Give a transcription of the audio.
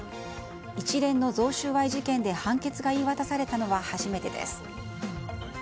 一連の贈収賄事件で判決が言い渡されたのは初めてです。